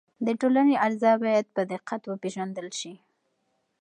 د ټولنې اجزا باید په دقت وپېژندل شي.